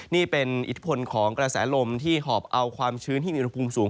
นี่เป็นอิทธิพลของกระแสลมที่หอบเอาความชื้นที่มีอุณหภูมิสูง